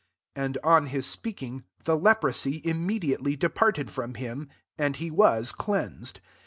42 And [on his speaking], the leprosy, im mediately departed from him, and he was cleansed.